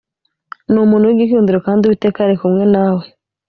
ni umuntu w’igikundiro kandi Uwiteka ari kumwe na we.